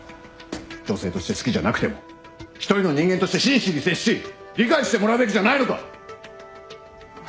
女性として好きじゃなくても一人の人間として真摯に接し理解してもらうべきじゃないのか？